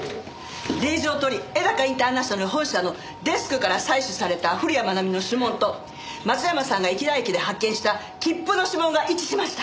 令状を取り絵高インターナショナル本社のデスクから採取された古谷愛美の指紋と松山さんが池田駅で発見した切符の指紋が一致しました。